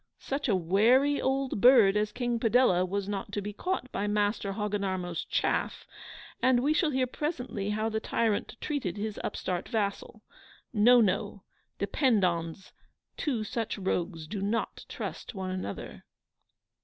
Such a WARY old BIRD as King Padella was not to be caught by Master Hogginarmo's CHAFF and we shall hear presently how the tyrant treated his upstart vassal. No, no; depend on's, two such rogues do not trust one another.